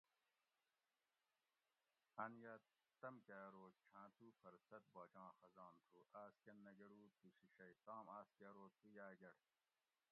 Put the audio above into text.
ان یا تم کہ ارو چھاں تو پھر ست باچاں خزان تھو آس کن نہ گڑو تو شیشئ تام آس کہ ارو تو یا گڑ